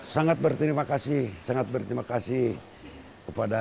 sangat berterima kasih sangat berterima kasih kepada